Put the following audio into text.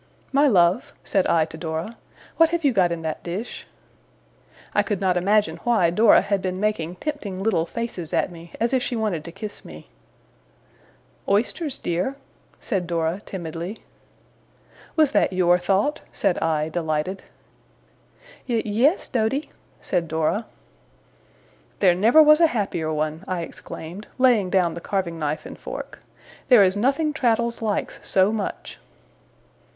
'My love,' said I to Dora, 'what have you got in that dish?' I could not imagine why Dora had been making tempting little faces at me, as if she wanted to kiss me. 'Oysters, dear,' said Dora, timidly. 'Was that YOUR thought?' said I, delighted. 'Ye yes, Doady,' said Dora. 'There never was a happier one!' I exclaimed, laying down the carving knife and fork. 'There is nothing Traddles likes so much!